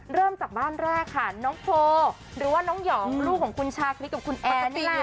เริ่มจากบ้านแรกค่ะน้องโพหรือว่าน้องหยองลูกของคุณชาคริสกับคุณแอนนี่แหละ